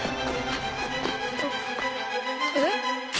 えっ？